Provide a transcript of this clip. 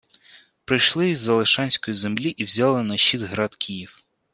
прийшли із «Залешанської землі» і «взяли на щит град Київ»